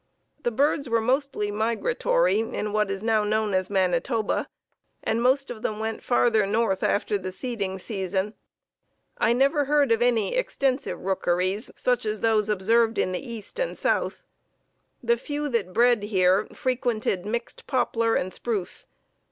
"The birds were mostly migratory in what is now known as Manitoba, and most of them went farther north after the seeding season. I never heard of any extensive rookeries such as those observed in the east and south. The few that bred here frequented mixed poplar and spruce.